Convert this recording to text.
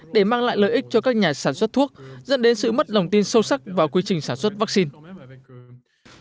để mang lại lợi ích cho các nhà sản xuất thuốc dẫn đến sự mất đồng tin sâu sắc vào quy trình sản xuất vaccine